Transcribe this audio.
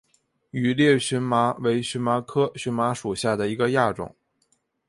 羽裂荨麻为荨麻科荨麻属下的一个亚种。